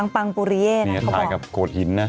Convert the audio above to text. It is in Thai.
ปังปูเรียนะเขาบอกนี่จะถ่ายกับโกดหินนะ